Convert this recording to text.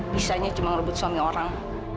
bisanya cuma ngerebut suami orang